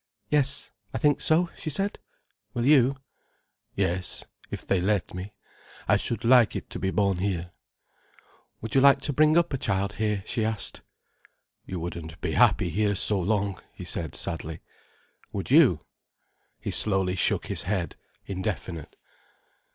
"Yes, I think so," she said. "Will you?" "Yes, if they let me. I should like it to be born here." "Would you like to bring up a child here?" she asked. "You wouldn't be happy here, so long," he said, sadly. "Would you?" He slowly shook his head: indefinite.